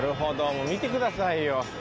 もう見てくださいよ。